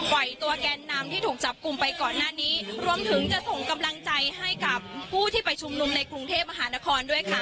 ตัวแกนนำที่ถูกจับกลุ่มไปก่อนหน้านี้รวมถึงจะส่งกำลังใจให้กับผู้ที่ไปชุมนุมในกรุงเทพมหานครด้วยค่ะ